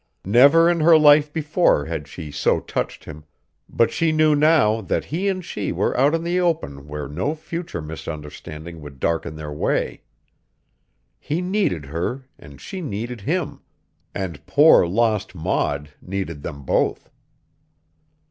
Never in her life before had she so touched him, but she knew now that he and she were out in the open where no future misunderstanding would darken their way. He needed her and she needed him; and poor, lost Maud needed them both.